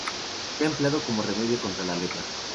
Se ha empleado como remedio contra la lepra.